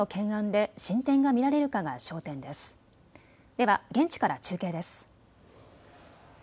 では現地から中継です。